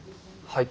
はい。